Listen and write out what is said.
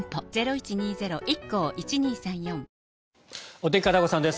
お天気、片岡さんです。